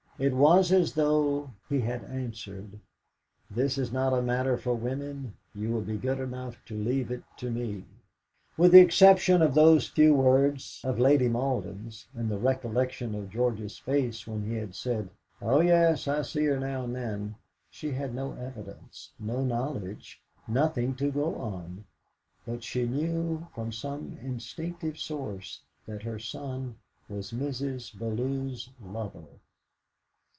It was as though he had answered: "This is not a matter for women; you will be good enough to leave it to me." With the exception of those few words of Lady Malden's, and the recollection of George's face when he had said, "Oh yes, I see her now and then," she had no evidence, no knowledge, nothing to go on; but she knew from some instinctive source that her son was Mrs. Bellew's lover.